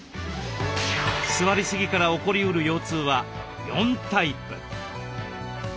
座りすぎから起こりうる腰痛は４タイプ。